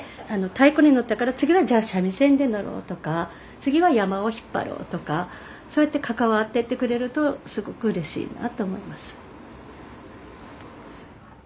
太鼓にのったから次はじゃあ三味線でのろうとか次は山車を引っ張ろうとかそうやって関わってってくれるとすごくうれしいなあと思います。